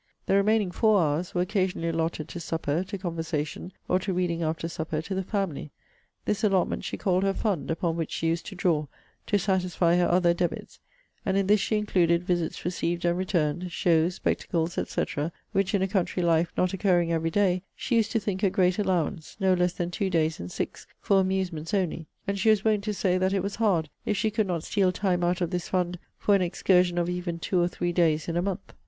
The remaining FOUR hours were occasionally allotted to supper, to conversation, or to reading after supper to the family. This allotment she called her fund, upon which she used to draw, to satisfy her other debits; and in this she included visits received and returned, shows, spectacles, &c. which, in a country life, not occurring every day, she used to think a great allowance, no less than two days in six, for amusements only; and she was wont to say, that it was hard if she could not steal time out of this fund, for an excursion of even two or three days in a month.